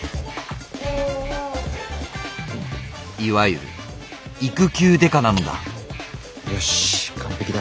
いわゆる育休刑事なのだよし完璧だ。